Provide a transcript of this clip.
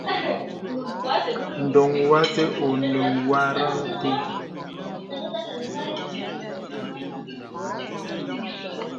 Ndoŋ wəs onə bwarəŋ té.